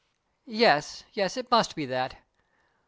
"Yes, yes, it must be that.